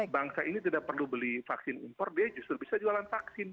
bangsa ini tidak perlu beli vaksin impor dia justru bisa jualan vaksin